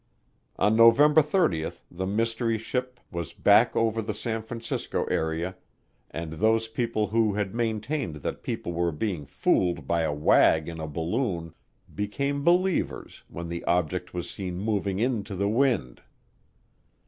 On November 30 the mystery ship was back over the San Francisco area and those people who had maintained that people were being fooled by a wag in a balloon became believers when the object was seen moving into the wind.